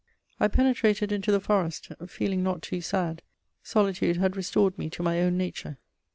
I penetrated into the forest, feeling not too sad; solitude had restored me to my own nature.